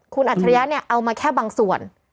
คุณอัจฉริยะเนี่ยเอามาแค่บางส่วน